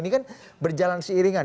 ini kan berjalan secara langsung